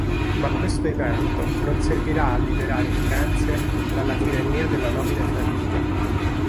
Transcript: Ma questo evento non servirà a liberare Firenze dalla tirannia della nobile famiglia.